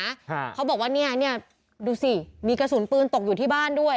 เขาบอกว่าเนี้ยเนี้ยดูสิมีกระสุนปืนตกอยู่ที่บ้านด้วย